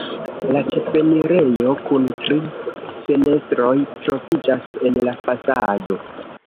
La ĉefenirejo kun tri fenestroj troviĝas en la fasado.